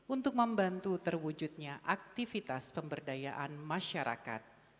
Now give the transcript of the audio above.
untuk membantu terwujudnya aktivitas pemberdayaan masyarakat